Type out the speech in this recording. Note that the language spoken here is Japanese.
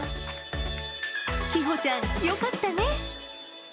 きほちゃん、よかったね。